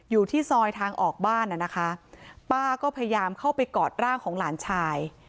อยู่ที่ซอยทางออกบ้านน่ะนะคะป้าก็พยายามเข้าไปกอดร่างของหลานชาย